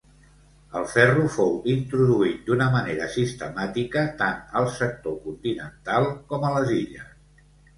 El ferro fou introduït d'una manera sistemàtica, tant al sector continental com a les Illes.